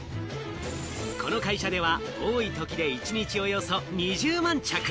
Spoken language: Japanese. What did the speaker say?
この会社では多いときで一日およそ２０万着。